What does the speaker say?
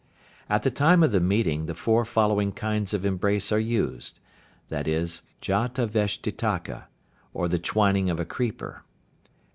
At the time of the meeting the four following kinds of embrace are used, viz.: Jataveshtitaka, or the twining of a creeper.